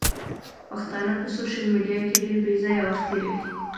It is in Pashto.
پښتانه په سوشل ميډيا کې ډېر بېځايه وخت تيروي.